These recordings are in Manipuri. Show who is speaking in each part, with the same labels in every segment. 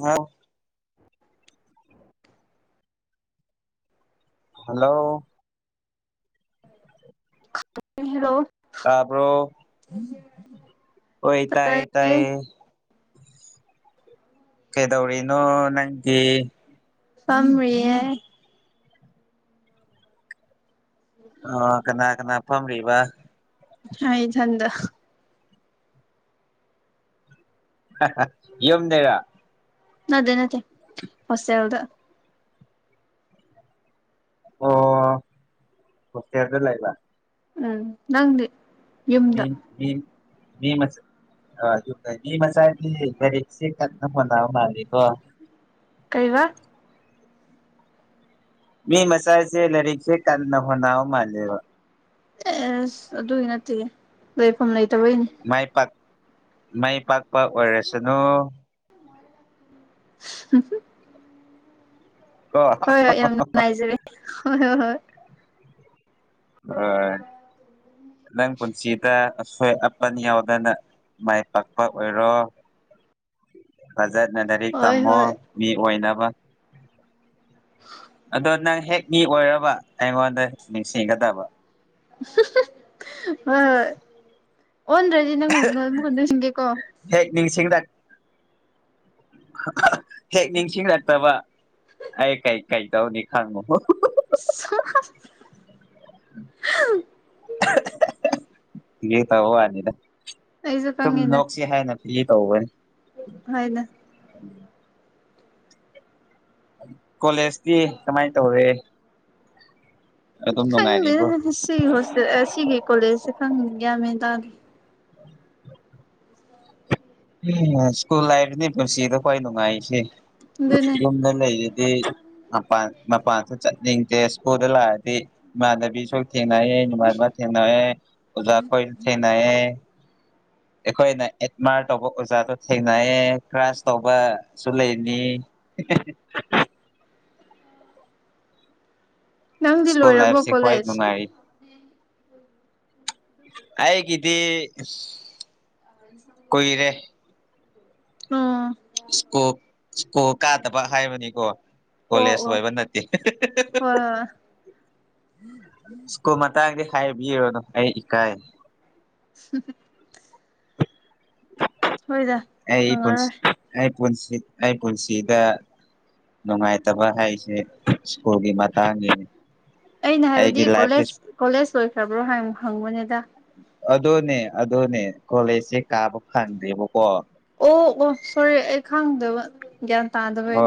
Speaker 1: ꯍꯥ ꯍꯜꯂꯣ
Speaker 2: ꯍꯜꯂꯣ
Speaker 1: ꯇꯥꯕ꯭ꯔꯣ
Speaker 2: [inaudible]
Speaker 1: ꯍꯣꯏ ꯇꯥꯌꯦ ꯇꯌꯦ ꯀꯩ ꯇꯧꯔꯤꯅꯣ ꯅꯪꯗꯤ
Speaker 2: ꯄꯝꯔꯤꯌꯦ
Speaker 1: ꯑꯥ ꯀꯅꯥ ꯀꯅꯥ ꯐꯝꯂꯤꯕ
Speaker 2: ꯏꯁꯥ ꯏꯊꯟꯗ
Speaker 1: ꯍꯥꯍꯥ ꯌꯨꯝꯗꯦꯔꯣ
Speaker 2: ꯅꯗꯦ ꯅꯠꯇꯦ ꯍꯣꯁꯇꯦꯜꯗ
Speaker 1: ꯑꯣ ꯍꯣꯁꯇꯦꯜꯗ ꯂꯩꯕ
Speaker 2: ꯎꯝ ꯅꯪꯗꯤ
Speaker 1: ꯃꯤ
Speaker 2: ꯌꯨꯝꯗ
Speaker 1: ꯃꯤ ꯃꯤꯃꯆꯥ ꯑꯥ ꯑꯗꯨꯗꯒꯤ ꯃꯆꯥꯥꯏꯒꯤ [unintelligible] ꯃꯥꯜꯂꯤꯀꯣ
Speaker 2: ꯀꯩ ꯕꯥ
Speaker 1: ꯃꯤ ꯃꯆꯥꯁꯦ ꯂꯥꯏꯔꯤꯛꯁꯦ ꯀꯟꯅꯍꯣꯠꯅꯥ ꯃꯥꯂꯦꯕ
Speaker 2: ꯑꯦꯁ ꯑꯗꯨꯒꯤ ꯅꯠꯇꯦ ꯂꯩꯐꯝ ꯂꯩꯇꯦ
Speaker 1: ꯃꯥꯏ ꯄꯥꯛ ꯃꯥꯏ ꯄꯥꯛꯄ ꯑꯣꯏꯔꯁꯅꯨ
Speaker 2: [inaudible]
Speaker 1: ꯀꯣ
Speaker 2: ꯍꯣꯏ ꯍꯣꯏ ꯌꯥꯝ ꯅꯨꯡꯉꯥꯏꯖꯔꯦ ꯍꯣꯏ ꯍꯣꯏ ꯍꯣꯏ
Speaker 1: ꯍꯣꯏ ꯅꯪ ꯄꯨꯟꯁꯤꯗ ꯑꯁꯣꯏ ꯑꯄꯟ ꯌꯥꯎꯗꯅ ꯃꯥꯏ ꯄꯥꯛꯄ ꯑꯣꯏꯔꯣ ꯐ ꯐꯖꯅ ꯂꯥꯏꯔꯤꯛ
Speaker 2: ꯍꯣꯏ
Speaker 1: ꯇꯝꯃꯣ
Speaker 2: ꯍꯣꯏ
Speaker 1: ꯃꯤ ꯑꯣꯏꯅꯕ ꯑꯗꯣ ꯅꯪ ꯍꯦꯛ ꯃꯤ ꯑꯣꯏꯔꯕ ꯑꯩꯉꯣꯟꯗ ꯅꯤꯡꯁꯤꯡꯒꯗꯕ
Speaker 2: ꯍꯝꯍꯝ ꯍꯣꯏ ꯍꯣꯏ
Speaker 1: ꯍꯦꯛ ꯅꯤꯡꯁꯤꯡꯂꯛ
Speaker 2: UNINTELLIGIBLE
Speaker 1: ꯍꯦꯛ ꯅꯤꯡꯁꯤꯡꯂꯛꯇꯕ ꯑꯩ ꯀꯩ ꯀꯩꯇꯧꯔꯅꯤ ꯈꯪꯉꯨꯀꯣ
Speaker 2: INAUDIBLE
Speaker 1: ꯒꯤ ꯇꯧ ꯋꯥꯅꯤꯗꯥ
Speaker 2: ꯑꯩꯁꯨ
Speaker 1: ꯁꯨꯝ ꯅꯣꯛꯁꯤ ꯍꯥꯏꯅ ꯌꯦꯇꯧꯕꯅꯤ
Speaker 2: ꯍꯥꯏ ꯅ
Speaker 1: ꯀꯣꯂꯦꯖꯇꯤ ꯀꯝꯃꯥꯏ ꯇꯧꯔꯦ
Speaker 2: ꯎꯪ
Speaker 1: ꯑꯗꯨꯝ ꯅꯨꯡꯉꯥꯏꯔꯤꯕꯣ
Speaker 2: ꯈꯪꯗꯦꯗ ꯁꯤ ꯍꯣꯁꯇꯦ ꯑꯁꯤꯒꯤ ꯀꯣꯂꯦꯖꯖꯦ ꯈꯪꯗꯦ ꯒ꯭ꯌꯥꯟ ꯃꯦꯟ ꯇꯥꯗꯦ
Speaker 1: INAUDIBLE ꯎꯪꯝ ꯁ꯭ꯀꯨꯜ ꯂꯥꯏꯐꯅꯤ ꯄꯨꯟꯁꯤꯗ ꯈ꯭ꯋꯥꯏ ꯅꯨꯡꯉꯥꯔꯤꯁꯦ
Speaker 2: ꯑꯗꯨꯅꯦ
Speaker 1: ꯌꯨꯝꯗ ꯂꯩꯔꯗꯤ ꯃꯄꯥꯟ ꯃꯄꯥꯟꯖꯨ ꯆꯠꯅꯤꯡꯗꯦ ꯁ꯭ꯀꯨꯜꯗ ꯂꯥꯛꯑꯗꯤ ꯏꯃꯥꯟꯅꯕꯤꯁꯨ ꯊꯦꯡꯅꯩꯌꯦ ꯕꯕꯥ-ꯏꯃꯥ ꯊꯦꯡꯅꯩꯌꯦ ꯑꯣꯖꯥꯈꯣꯏ ꯊꯦꯡꯅꯩꯌꯦ ꯑꯩꯈꯣꯏꯅ ꯑꯦꯠꯃꯥꯔ ꯇꯧꯕ ꯑꯣꯖꯥꯗꯣ ꯊꯦꯡꯅꯩꯌꯦ ꯀ꯭ꯔꯥꯁ ꯇꯧꯕ ꯖꯨ ꯂꯩꯅꯤ INAUDIBLE
Speaker 2: ꯅꯪꯗꯤ
Speaker 1: ꯁ꯭ꯀꯨꯜ
Speaker 2: ꯂꯣꯏꯔꯥꯕꯣ
Speaker 1: ꯂꯥꯏꯐꯁꯦ ꯈ꯭ꯋꯥꯏ
Speaker 2: ꯀꯣꯂꯦꯖ
Speaker 1: ꯅꯨꯡꯉꯥꯏ ꯑꯩꯒꯤ ꯗꯤ
Speaker 2: ꯑꯣ
Speaker 1: ꯁ꯭ꯀꯣ ꯁ꯭ꯀꯨꯣ ꯀꯥꯗꯕ ꯍꯥꯏꯕꯅꯤꯀꯣ
Speaker 2: ꯑꯣ
Speaker 1: ꯀꯣꯂꯦꯖ
Speaker 2: ꯑꯣ
Speaker 1: ꯂꯣꯏꯕ ꯅꯠꯇꯦ
Speaker 2: ꯍꯣꯏ ꯍꯣꯏ
Speaker 1: ꯁ꯭ꯀꯨꯜ ꯃꯇꯥꯡꯗꯤ ꯍꯥꯏꯕꯤꯔꯣꯅꯣ ꯑꯩ ꯏꯀꯥꯏꯔꯦ
Speaker 2: INAUDIBLE ꯍꯣꯏꯗꯥ
Speaker 1: ꯑꯩ ꯄꯨꯟꯁꯤ
Speaker 2: ꯍꯪꯉꯔꯣꯏ
Speaker 1: ꯑꯩ ꯄꯨꯟꯁꯤ ꯑꯩ ꯄꯨꯟꯁꯤꯗꯥ ꯅꯨꯡꯉꯥꯏꯇꯕ ꯍꯥꯏꯖꯦ ꯁ꯭ꯀꯨꯜꯒꯤ ꯃꯇꯥꯡꯒꯤꯅꯤ
Speaker 2: ꯑꯩꯅ
Speaker 1: ꯑꯩꯒꯤ
Speaker 2: ꯍꯥꯏꯕꯗꯤ
Speaker 1: ꯂꯥꯏꯐꯁꯦ
Speaker 2: ꯀꯣꯂꯦꯖ ꯀꯣꯂꯦꯖ ꯂꯣꯏꯈ꯭ꯔꯕ꯭ꯔꯣ ꯍꯥꯏ ꯍꯪꯕꯅꯤꯗꯥ
Speaker 1: ꯑꯗꯨꯅꯤ ꯑꯗꯨꯅꯤ ꯀꯣꯂꯦꯖꯖꯦ ꯀꯥꯕ ꯐꯪꯗꯦꯕꯀꯣ
Speaker 2: ꯑꯣ ꯑꯣ ꯁꯣꯔꯤ ꯑꯩ ꯈꯪꯗꯕ ꯒ꯭ꯌꯥꯟ ꯇꯥꯗꯕꯩ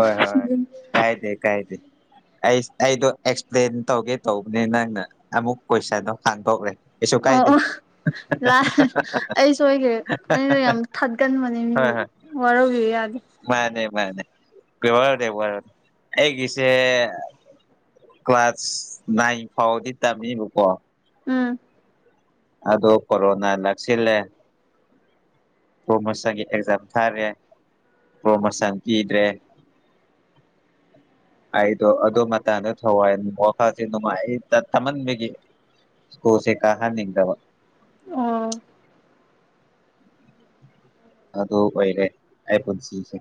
Speaker 1: ꯀꯥꯌꯗꯦ ꯑꯩꯁ ꯑꯩꯗꯣ ꯑꯦꯛꯁꯄ꯭ꯂꯦꯟ ꯇꯧꯒꯦ ꯇꯧꯕꯅꯦ ꯅꯪꯅ ꯑꯃꯨꯛ ꯀꯣꯏꯁꯟꯗꯣ ꯍꯥꯡꯗꯧꯔꯦ ꯀꯩꯁꯨ
Speaker 2: ꯑꯣ
Speaker 1: ꯀꯥꯌꯗꯦ
Speaker 2: ꯑꯣ ꯂꯥ ꯑꯩꯁꯣꯏꯒ꯭ꯔꯦ ꯑꯩꯅ ꯌꯥꯝ ꯊꯘꯟꯕꯅꯦ ꯃꯤ ꯋꯥꯔꯧꯕꯤꯕ ꯌꯥꯗꯦ
Speaker 1: ꯃꯥꯟꯅꯦ ꯃꯥꯟꯅꯦ ꯋꯥꯔꯧꯗꯦ ꯋꯥꯔꯧꯗꯦ ꯑꯩꯒꯤꯁꯦ ꯀ꯭ꯂꯥꯁ ꯅꯥꯏꯟ ꯐꯥꯎꯗꯤ ꯇꯝꯃꯤꯕꯥꯀꯣ
Speaker 2: ꯎꯪ
Speaker 1: ꯑꯗꯣ ꯀꯣꯔꯣꯅꯥ ꯅꯛꯁꯤꯜꯂꯦ ꯄ꯭ꯔꯣꯃꯣꯁꯟꯒꯤ ꯑꯦꯛꯖꯥꯝ ꯊꯥꯔꯦ ꯄ꯭ꯔꯣꯃꯣꯁꯟ ꯄꯤꯗ꯭ꯔꯦ INAUDIBLE ꯑꯩꯗꯣ ꯑꯗꯨ ꯃꯇꯥꯡꯗ ꯊꯋꯥꯏ ꯋꯥꯈꯜꯖꯦ ꯅꯨꯡꯉꯥꯏ ꯇ ꯃꯟꯕꯒꯤ ꯁ꯭ꯀꯨꯜꯖꯦ ꯀꯥꯍꯟꯅꯤꯡꯗꯕ
Speaker 2: ꯑꯣ
Speaker 1: ꯑꯗꯨ ꯑꯣꯏꯔꯦ ꯑꯩ ꯄꯨꯟꯁꯤꯖꯦ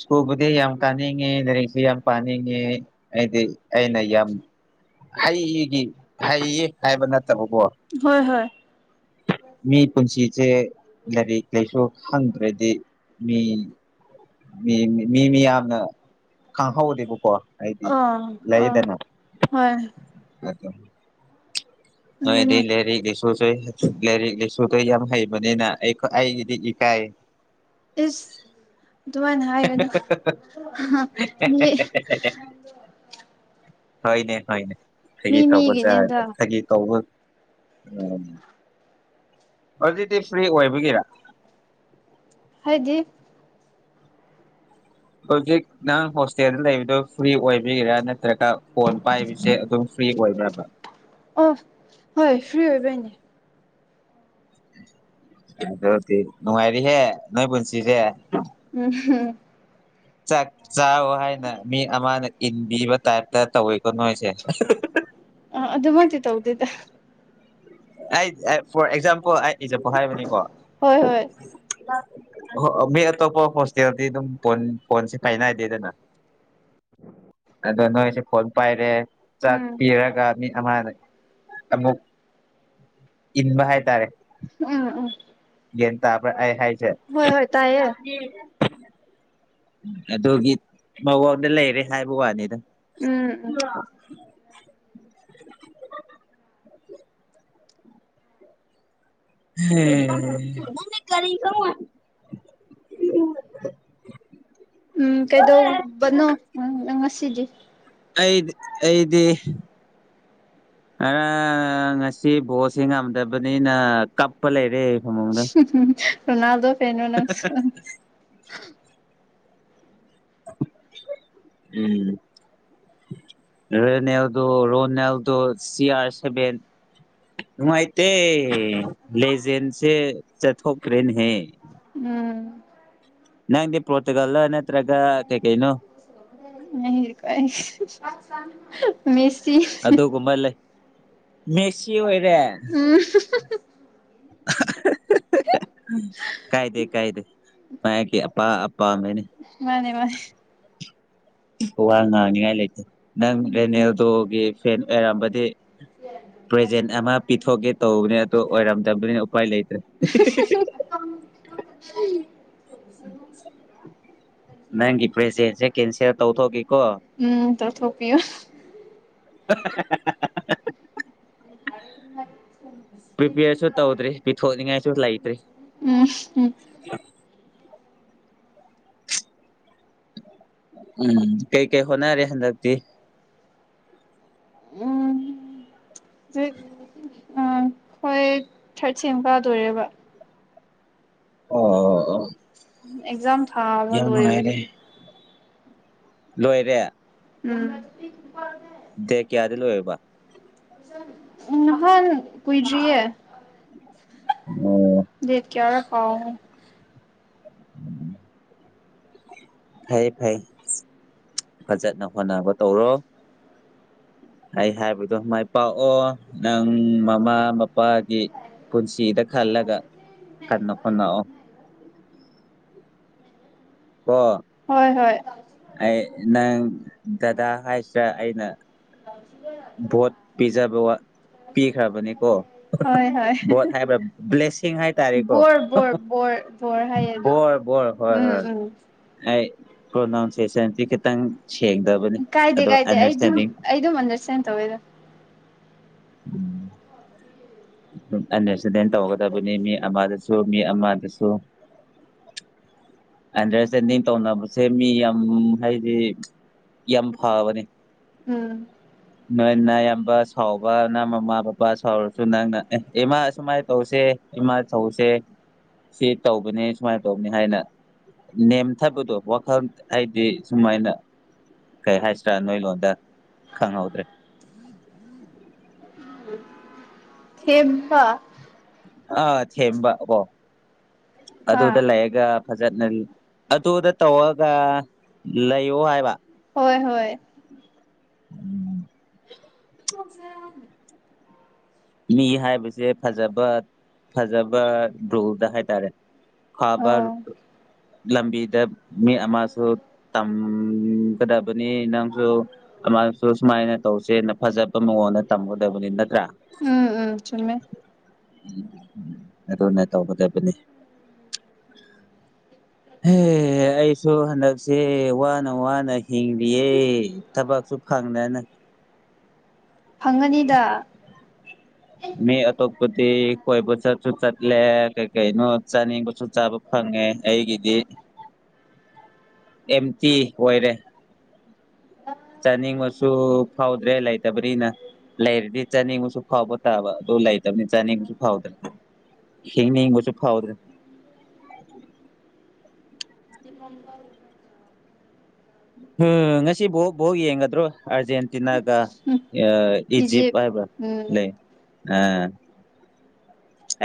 Speaker 1: ꯁ꯭ꯀꯨꯜꯕꯨꯗꯤ ꯌꯥꯝ ꯀꯥꯅꯤꯡꯉꯦ ꯂꯥꯢꯔꯤꯛꯁꯦ ꯌꯥꯝ ꯄꯥꯅꯤꯡꯉꯦ ꯑꯩꯗꯤ ꯑꯩꯅ ꯌꯥꯝ ꯍꯩꯒꯤ ꯍꯩꯌꯦ ꯍꯥꯌꯕ ꯅꯠ
Speaker 2: ꯍꯣꯌ ꯍꯣꯌ
Speaker 1: ꯃꯤ ꯄꯨꯟꯁꯤꯁꯦ ꯂꯥꯏꯔꯤꯛ ꯂꯥꯏꯁꯨ ꯍꯪꯗ꯭ꯔꯗꯤ ꯃꯤ ꯃꯤ ꯃꯤ ꯃꯤ ꯌꯥꯝꯅ ꯈꯪꯍꯧꯗꯦꯕꯀꯣ ꯍꯥꯏꯗꯤ
Speaker 2: ꯑꯥ ꯑꯥ
Speaker 1: ꯂꯩꯌꯦꯗꯅ
Speaker 2: ꯍꯣꯏ
Speaker 1: ꯅꯣꯏꯗꯤ
Speaker 2: ꯑꯗꯨꯅꯦ
Speaker 1: ꯂꯥꯏꯔꯤꯛ ꯂꯥꯏꯁꯨꯁꯨ ꯂꯥꯏꯔꯤꯛ ꯂꯥꯏꯁꯨꯗꯣ ꯌꯥꯝ ꯍꯩꯕꯅꯤꯅ ꯑꯩ ꯑꯩꯒꯤꯗꯤ ꯏꯀꯥꯏꯌꯦ
Speaker 2: ꯏꯁ ꯑꯗꯨꯨꯃꯥꯏꯅ ꯍꯥꯏꯒꯅꯨ ꯃꯤ
Speaker 1: ꯍꯣꯏꯅꯦ ꯍꯣꯏꯅꯦ
Speaker 2: ꯃꯤ
Speaker 1: ꯐꯥꯒꯤ ꯇꯧꯕꯖꯗ
Speaker 2: ꯃꯤꯒꯤꯅꯦꯗ
Speaker 1: ꯐꯥꯒꯤ ꯇꯧꯕ ꯎꯝ ꯍꯧꯖꯤꯛꯇꯤ ꯐ꯭ꯔꯤ ꯑꯣꯏꯕꯒꯤꯔ
Speaker 2: ꯍꯥꯏꯗꯤ
Speaker 1: ꯍꯧꯖꯤꯛ ꯅꯪ ꯍꯣꯁꯇꯦꯜꯗ ꯂꯩꯕꯗꯨ ꯐ꯭ꯔꯤ ꯑꯣꯏꯕꯤꯒꯔꯥ ꯅꯠꯇ꯭ꯔꯒ ꯐꯣꯟ ꯄꯥꯏꯕꯁꯦ ꯑꯗꯨꯝ ꯐ꯭ꯔꯤ ꯑꯣꯏꯕ꯭ꯔꯕ
Speaker 2: ꯑꯣ ꯍꯣꯏ ꯐ꯭ꯔꯤ ꯑꯣꯏꯕꯩꯅꯦ
Speaker 1: ꯑꯗꯨꯗꯤ ꯅꯨꯡꯉꯥꯏꯔꯤꯍꯦ ꯅꯣꯏ ꯄꯨꯟꯁꯤꯁꯦ
Speaker 2: ꯎꯝ
Speaker 1: ꯆꯥꯛ ꯆꯥꯎꯑꯣ ꯍꯥꯏꯅ ꯃꯤ ꯑꯃꯅ ꯏꯟꯕꯤꯕ ꯇꯥꯏꯞꯇ ꯇꯧꯋꯤꯀꯣ ꯅꯣꯏꯁꯦ
Speaker 2: ꯑ ꯑꯗꯨꯃꯛꯇꯤ ꯇꯧꯗꯦꯗ
Speaker 1: ꯑꯩ ꯐꯣꯔ ꯑꯦꯛꯖꯥꯝꯄꯜ ꯑꯩ ꯏꯛꯖꯝꯄꯜ ꯍꯥꯏꯕꯅꯤꯀꯣ
Speaker 2: ꯍꯣꯏ ꯍꯣꯏ
Speaker 1: ꯑꯣ ꯃꯤ ꯑꯇꯣꯞꯄ ꯍꯣꯁꯇꯦꯜꯗꯤ ꯑꯗꯨꯝ ꯐꯣꯟ ꯐꯣꯟꯁꯤ ꯄꯥꯏꯅꯏꯗꯦꯗꯅ ꯑꯗꯣ ꯅꯣꯏꯁꯦ ꯐꯣꯟ ꯄꯥꯏꯔꯦ ꯆꯥꯛ
Speaker 2: ꯎꯝ
Speaker 1: ꯄꯤꯔꯒ ꯃꯤꯠ ꯑꯃꯗ ꯑꯃꯨꯛ ꯏꯟꯕ ꯍꯥꯏꯇꯥꯔꯦ
Speaker 2: ꯎꯝ ꯎꯝ
Speaker 1: ꯒꯌꯥꯟ ꯇꯥꯕ꯭ꯔꯥ ꯑꯩ ꯍꯥꯏꯁꯦ
Speaker 2: ꯍꯣꯏ ꯍꯣꯏ ꯇꯥꯏꯌꯦ
Speaker 1: ꯑꯗꯨꯒꯤ ꯃꯑꯣꯡꯗ ꯂꯩꯔꯦ ꯍꯥꯏꯕ ꯋꯥꯅꯤꯗ
Speaker 2: ꯎꯝ ꯎꯝ
Speaker 1: [inaudible]
Speaker 2: ꯎꯝ ꯀꯩꯗꯧꯕꯅꯣ ꯅꯪ ꯉꯁꯤꯗꯤ
Speaker 1: ꯑꯩ ꯑꯩꯗꯤ ꯑꯥ ꯉꯁꯤ ꯕꯣꯜꯁꯤ ꯉꯝꯗꯕꯅꯤꯅ ꯀꯞꯄ ꯂꯩꯔꯦ ꯐꯃꯨꯡꯗ
Speaker 2: ꯍꯤꯍꯤꯍꯤ ꯔꯣꯅꯥꯜꯗꯣ ꯐꯦꯟꯔꯣ ꯅꯪꯁꯨ
Speaker 1: ꯎꯝ ꯔꯅꯦꯜꯗꯣ ꯔꯣꯅꯥꯜꯗꯣ ꯁꯤꯌꯥꯔ ꯁꯚꯦꯟ ꯅꯨꯡꯉꯥꯏꯇꯦ ꯂꯦꯖꯦꯟꯁꯦ ꯆꯠꯊꯣꯛꯈ꯭ꯔꯦꯅꯦꯍꯦ
Speaker 2: ꯎꯝ
Speaker 1: ꯅꯪꯗꯤ ꯄꯣꯔꯇꯨꯒꯜꯂꯥ ꯅꯠꯇ꯭ꯔꯒ ꯀꯩ ꯀꯩꯅꯣ
Speaker 2: ꯑꯥ ꯍꯥꯍꯥꯍꯥ ꯃꯦꯁꯤ
Speaker 1: ꯑꯗꯨꯒꯨꯝꯕ ꯂꯩ ꯃꯦꯁꯤ ꯑꯣꯏꯔꯦ
Speaker 2: [inaudible]
Speaker 1: ꯍꯦꯍꯦꯍꯦꯍꯦ ꯀꯥꯏꯗꯦ ꯀꯥꯏꯗꯦ ꯃꯥꯏꯒꯤ ꯑꯄꯥꯝ
Speaker 2: ꯃꯥꯅꯦ ꯃꯥꯅꯦ
Speaker 1: ꯋꯥ ꯉꯥꯡꯅꯤꯉꯥꯏ ꯂꯩꯇꯦ ꯅꯪ
Speaker 2: ꯎꯝ
Speaker 1: ꯔꯦꯅꯦꯜꯗꯣꯒꯤ ꯐꯦꯟ ꯑꯣꯏꯔꯝꯕꯗꯤ ꯄ꯭ꯔꯖꯦꯟ ꯑꯃ ꯄꯤꯊꯣꯛꯀꯦ ꯇꯧꯕꯅꯦ ꯑꯗꯨ ꯑꯣꯏꯔꯝꯗꯕꯗꯨꯅꯤꯅ ꯎꯄꯥꯏ ꯂꯩꯇ
Speaker 2: [inaudible]
Speaker 1: ꯅꯪꯒꯤ ꯄ꯭ꯔꯦꯖꯦꯟꯁꯦ ꯀꯦꯟꯁꯦꯜ ꯇꯧꯊꯣꯛꯈꯤꯀꯣ
Speaker 2: ꯎꯝ ꯇꯧꯊꯣꯛꯄꯤꯌꯣ
Speaker 1: [inaudible] ꯄ꯭ꯔꯤꯄ꯭ꯌꯔꯁꯨ ꯇꯧꯗ꯭ꯔꯤ ꯄꯤꯊꯣꯛꯅꯤꯡꯉꯥꯏꯁꯨ ꯂꯩꯇ꯭ꯔꯤ
Speaker 2: ꯎꯝ ꯎꯝ
Speaker 1: ꯎꯝ ꯀꯩꯀꯩ ꯍꯣꯠꯅꯔꯦ ꯍꯟꯗꯛꯇꯤ
Speaker 2: ꯎꯝ ꯖꯤꯛ ꯎꯝ ꯍꯣꯏ ꯊ꯭ꯔꯠ ꯁꯦꯝ ꯀꯥꯗꯣꯔꯦꯕ
Speaker 1: ꯑꯣ ꯑꯣ ꯑꯣ
Speaker 2: ꯑꯦꯛꯖꯥꯝ ꯊꯥꯕ
Speaker 1: ꯌꯥꯝ
Speaker 2: ꯂꯣꯏꯔ
Speaker 1: ꯅꯨꯡꯉꯥꯏꯔꯦ ꯂꯣꯏꯔꯦ
Speaker 2: ꯎꯝ
Speaker 1: ꯗꯦ ꯀꯌꯥꯗ ꯂꯣꯏꯌꯦꯕ
Speaker 2: ꯅꯍꯥꯟ ꯀꯨꯏꯗ꯭ꯔꯤꯌꯦ
Speaker 1: ꯑꯣ
Speaker 2: ꯗꯦꯠ ꯀꯌꯥꯔ ꯀꯥꯎꯒ꯭ꯔꯦ
Speaker 1: [inaudible] ꯐꯩꯌꯦ ꯐꯩꯌꯦ ꯐꯖꯅ ꯍꯣꯠꯅꯕ ꯇꯧꯔꯣ ꯑꯩ ꯍꯥꯏꯕꯗꯣ ꯃꯥꯏ ꯄꯥꯛꯑꯣ ꯅꯪ ꯃꯃꯥ ꯃꯄꯥꯒꯤ ꯄꯨꯟꯁꯤꯗ ꯈꯜꯂꯒ ꯀꯟꯅ ꯍꯣꯠꯅꯥꯑꯣ ꯀꯣ
Speaker 2: ꯍꯣꯏ ꯍꯣꯏ
Speaker 1: ꯑꯩ ꯅꯪ ꯗꯗꯥ ꯍꯥꯏꯁꯦ ꯑꯩꯅ ꯚꯣꯠ ꯄꯤꯖꯥ ꯕꯋꯥ ꯄꯤꯈ꯭ꯔꯕꯅꯦꯀꯣ
Speaker 2: ꯍꯣꯏ ꯍꯣꯏ
Speaker 1: ꯚꯣꯠ ꯍꯥꯏꯕ ꯕ꯭ꯂꯦꯁꯤꯡ ꯍꯥꯏ ꯇꯥꯔꯦꯀꯣ
Speaker 2: ꯕꯣꯔ ꯕꯣꯔ ꯕꯣꯔ ꯕꯣꯔ ꯍꯥꯏꯌꯦ ꯑꯗꯨ
Speaker 1: ꯕꯣꯔ ꯕꯣꯔ ꯍꯣꯏ ꯍꯣꯏ
Speaker 2: ꯎꯝ ꯎꯝ
Speaker 1: ꯑꯩ ꯄ꯭ꯔꯣꯅꯥꯎꯟꯁꯦꯁꯟꯁꯦ ꯈꯤꯇꯪ ꯁꯦꯡꯗꯕꯅꯤ
Speaker 2: ꯀꯥꯏꯗꯦ
Speaker 1: ꯑꯗꯣ
Speaker 2: ꯀꯥꯏꯗꯦ ꯑꯩ ꯗꯨꯝ
Speaker 1: ꯑꯟꯗꯔꯁꯇꯦꯟꯗꯤꯡ
Speaker 2: ꯑꯩ ꯗꯨꯝ ꯑꯟꯗ꯭ꯔꯁꯇꯦꯟ ꯇꯧꯋꯦꯗ
Speaker 1: ꯎꯝ [unintelligible] ꯁꯨ ꯃꯤ ꯑꯃꯗꯁꯨ ꯑꯟꯗ꯭ꯔꯁꯇꯦꯟꯗꯤꯡ ꯇꯧꯅꯕꯁꯦ ꯃꯤ ꯌꯥꯝ ꯍꯥꯏꯗꯤ ꯌꯥꯝ ꯐꯕꯅꯤ
Speaker 2: ꯎꯝ
Speaker 1: ꯅꯣꯏꯅꯌꯥꯝꯕ ꯁꯥꯎꯕ ꯅꯪ ꯃꯃꯥ ꯕꯕꯥ ꯁꯥꯎꯔꯁꯨ ꯅꯪꯅ ꯑꯦ ꯏꯃꯥ ꯑꯁꯨꯃꯥꯏ ꯇꯧꯁꯦ ꯏꯃꯥ ꯊꯧꯁꯦ ꯁꯤ ꯇꯧꯕꯅꯦ ꯁꯨꯃꯥꯏ ꯇꯧꯕꯅꯦ ꯍꯥꯏꯅ ꯅꯦꯝꯊꯕꯗꯣ ꯋꯥꯈꯜ ꯍꯥꯏꯗꯤ ꯁꯨꯃꯥꯏꯅ ꯀꯩ ꯍꯥꯏꯁꯤ꯭ꯔꯥ ꯅꯣꯏ ꯂꯣꯟꯗ ꯈꯪꯍꯧꯗ꯭ꯔꯦ
Speaker 2: ꯊꯦꯝꯕ
Speaker 1: ꯑꯥ ꯊꯦꯝꯕ ꯀꯣ
Speaker 2: ꯍꯥ
Speaker 1: ꯑꯗꯨꯗ ꯂꯩꯌꯥꯒ ꯐꯖꯅ ꯑꯗꯨꯗ ꯇꯧꯔꯒ ꯂꯩꯌꯣ ꯍꯥꯏꯕ
Speaker 2: ꯍꯣꯏ ꯍꯣꯏ
Speaker 1: ꯎꯝ
Speaker 2: [unintelligible]
Speaker 1: ꯃꯤ ꯍꯥꯏꯕꯁꯦ ꯐꯖꯕ ꯐꯖꯕ ꯔꯨꯜꯗ ꯍꯥꯏꯇꯥꯔꯦ [unintelligible]
Speaker 2: ꯑꯣ
Speaker 1: ꯂꯝꯕꯤꯗ ꯃꯤ ꯑꯃꯁꯨ ꯇꯝꯒꯗꯕꯅꯤ ꯅꯪꯁꯨ ꯃꯥꯅꯁꯨ ꯁꯨꯃꯥꯏꯅ ꯇꯧꯁꯦꯅ ꯐꯖꯕ ꯃꯉꯣꯟꯗ ꯇꯝꯒꯗꯕꯅꯤ ꯅꯠꯇ꯭ꯔꯥ
Speaker 2: ꯎꯝ ꯎꯝ ꯆꯨꯝꯃꯦ
Speaker 1: ꯑꯗꯨꯅ ꯇꯧꯒꯗꯕꯅꯤ ꯍꯦ ꯑꯩꯁꯨ ꯍꯟꯗꯛꯁꯦ ꯋꯥꯅ ꯋꯥꯅ ꯍꯤ ꯍꯤꯡꯂꯤꯌꯦ ꯊꯕꯛꯁꯨ ꯐꯪꯗꯅ
Speaker 2: ꯐꯪꯉꯅꯤꯗ
Speaker 1: ꯃꯤ ꯑꯇꯣꯞꯄ ꯇꯦ ꯀꯣꯏꯕ ꯆꯠꯁꯨ ꯆꯠꯂꯦ ꯀꯩ ꯀꯩꯅꯣ ꯆꯥꯅꯤꯡꯕꯁꯨ ꯆꯥꯕ ꯐꯪꯉꯦ ꯑꯩꯒꯤꯗꯤ ꯑꯦꯝꯇꯤ ꯑꯣꯏꯔꯦ ꯆꯅꯤꯡ ꯕꯁꯨ ꯐꯥꯎꯗ꯭ꯔꯦ ꯂꯩꯇꯕꯅꯤꯅ ꯂꯩꯔꯗꯤ ꯆꯥꯅꯤꯡꯕꯁꯨ ꯐꯥꯎꯕ ꯇꯥꯕ ꯑꯗꯨ ꯂꯩꯇꯕꯅꯤ ꯆꯥꯅꯤꯡꯕꯁꯨ ꯐꯥꯎꯗ꯭ꯔꯦ ꯍꯤꯡꯅꯤꯡꯕꯁꯨ ꯐꯥꯎꯗ꯭ꯔꯦ ꯍꯥ ꯉꯁꯤꯕꯣꯛ ꯕꯣꯛ ꯌꯦꯡꯒꯗ꯭ꯔꯣ ꯑꯥꯔꯖꯦꯟꯇꯤꯅꯥꯒ
Speaker 2: ꯎꯝ
Speaker 1: ꯑ ꯏꯖꯤꯞ ꯍꯥꯏꯕ ꯂꯩ ꯑ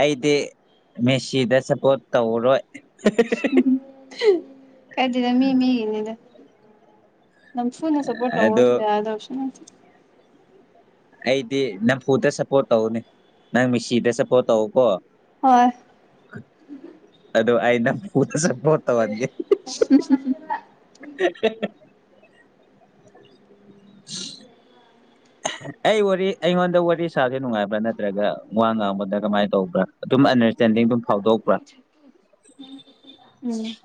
Speaker 1: ꯑꯩꯗꯤ ꯃꯦꯁꯤꯗ ꯁꯞꯄꯣꯔꯠ ꯇꯧꯔꯣꯏ
Speaker 2: ꯀꯥꯢꯗꯦꯗ ꯃꯤ ꯃꯤꯒꯤꯅꯤꯗ ꯅꯝꯗ ꯐꯨꯜ ꯁꯄꯣꯔꯠ
Speaker 1: ꯑꯗꯣ
Speaker 2: ꯇꯧꯑꯣꯁꯨ ꯌꯥꯗꯧ ꯅꯠꯇꯦ
Speaker 1: ꯑꯩꯗꯤ ꯅꯝꯐꯨꯗ ꯁꯞꯄꯣꯠ ꯇꯧꯅꯤ ꯅꯪ ꯃꯤꯁꯤꯗ ꯁꯞꯄꯣꯠ ꯇꯧꯀꯣ
Speaker 2: ꯍꯣꯏ
Speaker 1: ꯑꯗꯣ ꯑꯩ ꯅꯝꯐꯨꯗ ꯁꯄꯣꯠ ꯇꯧꯍꯟꯒꯦ ꯑꯩ ꯋꯥꯔꯤ ꯑꯩꯉꯣꯟꯗ ꯋꯥꯔꯤ ꯁꯥꯕ ꯅꯨꯡꯉꯥꯏꯕ꯭ꯔꯥ ꯅꯠꯇ꯭ꯔꯒ ꯋꯥ ꯉꯥꯡꯕꯗ ꯀꯃꯥꯏꯅ ꯇꯧꯕ꯭ꯔꯥ ꯑꯗꯨꯝ ꯑꯟꯗꯔꯁꯇꯦꯟꯗꯤꯡ ꯑꯗꯨꯝ ꯐꯥꯎꯗꯣꯛꯄ꯭ꯔꯥ [inaudible]
Speaker 2: ꯎꯝ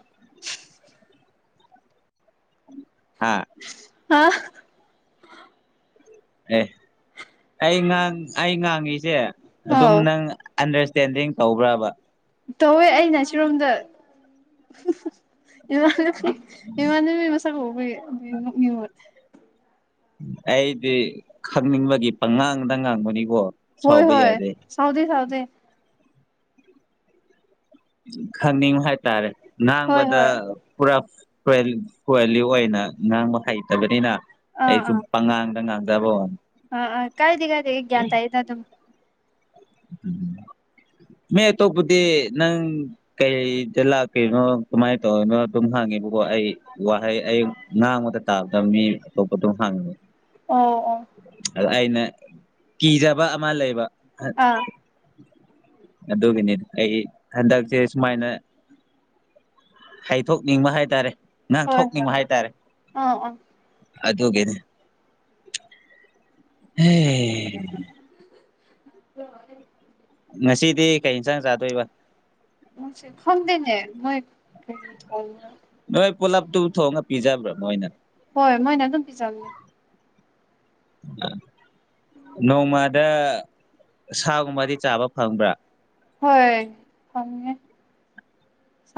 Speaker 1: ꯍꯥ
Speaker 2: ꯍꯥ
Speaker 1: ꯑꯦ ꯑꯩ ꯉꯥꯡ ꯑꯩ ꯉꯥꯡꯉꯤꯁꯦ ꯑꯗꯨꯝ
Speaker 2: ꯑꯧ
Speaker 1: ꯅꯪ ꯑꯟꯗꯔꯁꯇꯦꯟꯗꯤꯡ ꯇꯧꯕ꯭ꯔꯕ
Speaker 2: ꯇꯧꯋꯦ ꯑꯩꯅ ꯁꯤꯔꯣꯝꯗ ꯏꯃꯥꯟꯅꯕꯤ ꯏꯃꯥꯟꯅꯕꯤ ꯃꯁꯛ ꯎꯕꯒꯤꯑꯗꯨꯏ ꯅꯣꯛꯅꯤꯡꯕ
Speaker 1: ꯑꯩꯗꯤ ꯈꯪꯅꯤꯡꯕꯒꯤ ꯄꯉꯥꯡꯗ ꯉꯥꯡꯕꯅꯤꯀꯣ
Speaker 2: ꯍꯣꯏ
Speaker 1: ꯁꯥꯎꯕ
Speaker 2: ꯍꯣꯏ
Speaker 1: ꯌꯥꯗꯦ
Speaker 2: ꯁꯥꯎꯗꯦ ꯁꯥꯎꯗꯦ
Speaker 1: ꯈꯪꯅꯤꯡꯕ ꯍꯥꯏꯇꯥꯔꯦ
Speaker 2: ꯍꯣꯏ
Speaker 1: ꯉꯥꯡꯕꯗ
Speaker 2: ꯍꯣꯏ
Speaker 1: ꯄꯨꯔꯥ ꯐꯦ ꯐꯦꯂꯤ ꯑꯣꯏꯅ ꯉꯥꯡꯕ ꯍꯩꯇꯕꯅꯤꯅ ꯑꯩꯁꯨ ꯄꯉꯥꯡꯗ ꯉꯥꯡ ꯇꯥꯕꯣ
Speaker 2: ꯑ ꯑ ꯀꯥꯏꯗꯦ ꯀꯥꯏꯗꯦ ꯑꯩ ꯒ꯭ꯌꯥꯟ ꯇꯥꯏꯗ ꯑꯗꯨꯝ
Speaker 1: ꯎꯝ ꯃꯤ ꯑꯇꯣꯞꯄꯗꯤ ꯅꯪ ꯀꯩꯗ ꯂꯥꯛꯀꯦꯅꯣ ꯀꯃꯥꯏꯅ ꯇꯧꯔꯤꯅꯣ ꯑꯗꯨꯝ ꯍꯪꯉꯤ ꯏꯕꯨꯡꯉꯣ ꯑꯩ ꯋꯥꯍꯩ ꯑꯩ ꯉꯥꯡꯕꯗ ꯇꯥꯗꯕ ꯃꯤ ꯑꯇꯣꯞꯄ ꯑꯗꯨꯝ ꯍꯪꯉꯤ
Speaker 2: ꯑꯣ ꯑꯣ
Speaker 1: ꯑꯗꯣ ꯑꯩꯅ ꯀꯤꯖꯕ ꯑꯃ ꯂꯩꯕ
Speaker 2: ꯑꯥ
Speaker 1: ꯑꯗꯨꯒꯤꯅꯤ ꯑꯩ ꯍꯟꯗꯛꯁꯦ ꯁꯨꯃꯥꯏꯅ ꯍꯩꯊꯣꯛꯅꯤꯡꯕ ꯍꯥꯏꯇꯥꯔꯦ
Speaker 2: ꯍꯣꯏ ꯍꯣꯏ
Speaker 1: ꯉꯥꯡꯊꯣꯛꯅꯤꯡꯕ ꯍꯥꯏꯇꯥꯔꯦ
Speaker 2: ꯑꯥ ꯑꯥ
Speaker 1: ꯑꯗꯨꯒꯤꯅꯦ ꯍꯦ
Speaker 2: [inaudible]
Speaker 1: ꯉꯁꯤꯗꯤ ꯀꯩ ꯌꯤꯟꯁꯥꯡ ꯆꯥꯗꯣꯏꯕ
Speaker 2: ꯃꯣꯏꯁꯦ ꯈꯪꯗꯦꯅꯦ ꯃꯣꯏ ꯀꯔꯤ ꯊꯣꯡꯕꯔ
Speaker 1: ꯅꯣꯏ ꯄꯨꯂꯞꯇꯨ ꯊꯣꯡꯉꯒ ꯄꯤꯖꯕ꯭ꯔꯥ ꯃꯣꯏꯅ
Speaker 2: ꯍꯣꯏ ꯃꯣꯏꯅ ꯑꯗꯨꯝ ꯄꯤꯖꯕꯅꯦ
Speaker 1: ꯅꯣꯡꯃꯗ ꯁꯥꯒꯨꯝꯕꯗꯤ ꯆꯥꯕ ꯐꯪꯕ꯭ꯔꯥ
Speaker 2: ꯍꯣꯏ ꯐꯪꯉꯦ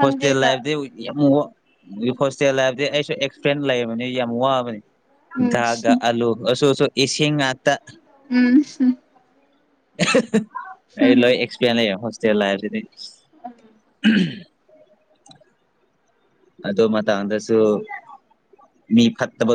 Speaker 1: ꯍꯣꯁꯇꯦꯜ ꯂꯥꯢꯐꯇꯤ ꯌꯥꯝ ꯋꯥ ꯍꯣꯁꯇꯦꯜ ꯂꯥꯏꯐꯁꯦ ꯑꯩꯁꯨ ꯑꯦꯛꯁꯄ꯭ꯔꯦꯟꯁ ꯂꯩꯕꯅꯤ ꯌꯥꯝ ꯋꯥꯕꯅꯤ
Speaker 2: ꯎꯝ
Speaker 1: ꯙꯥꯜꯒ ꯑꯂꯨ ꯑꯣ ꯁꯣ ꯁꯣ ꯏꯁꯤꯡ ꯉꯥꯛꯇ
Speaker 2: ꯎꯝ
Speaker 1: ꯑꯩ
Speaker 2: ꯎꯝ
Speaker 1: ꯂꯣꯏ ꯑꯦꯛꯁꯄ꯭ꯔꯦꯟꯁ ꯂꯩꯌꯦ ꯍꯣꯁꯇꯦꯜ ꯂꯥꯏꯐ ꯁꯤꯗꯤ ꯑꯗꯣ ꯃꯥ ꯇꯥꯡꯗꯁꯨ ꯃꯤ ꯐꯠꯇꯕꯁꯨ